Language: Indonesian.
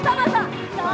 sakitnya ku disini